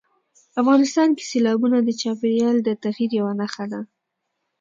افغانستان کې سیلابونه د چاپېریال د تغیر یوه نښه ده.